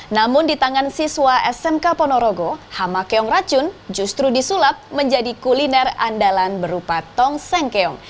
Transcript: namun di tangan siswa smk ponorogo hama keong racun justru disulap menjadi kuliner andalan berupa tong sengkeong